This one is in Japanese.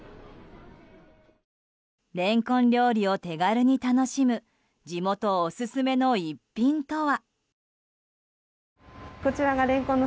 レンコン料理を手軽に楽しむ地元オススメの一品とは。